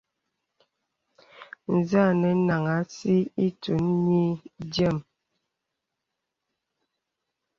Zà ànə nāŋhàŋ àsī itūn nï dīəm.